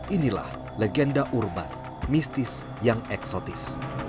inilah legenda urban mistis yang eksotis